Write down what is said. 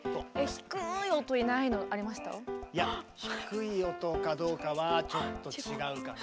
いや低い音かどうかはちょっと違うかな。